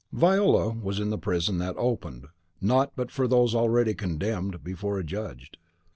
Viola was in the prison that opened not but for those already condemned before adjudged.